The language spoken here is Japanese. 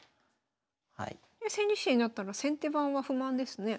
千日手になったら先手番は不満ですね。